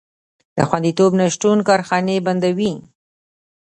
د خوندیتوب نشتون کارخانې بندوي.